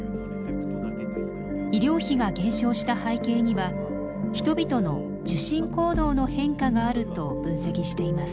医療費が減少した背景には人々の受診行動の変化があると分析しています。